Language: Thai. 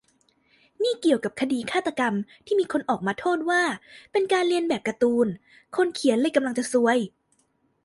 นี่เกี่ยวกับคดีฆาตกรรม ที่มีคนออกมาโทษว่า เป็นการเลียนแบบการ์ตูน คนเขียนเลยกำลังจะซวย